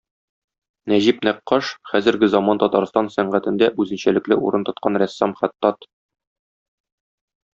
Нәҗип Нәккаш - хәзерге заман Татарстан сәнгатендә үзенчәлекле урын тоткан рәссам-хаттат.